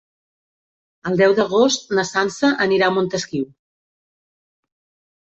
El deu d'agost na Sança anirà a Montesquiu.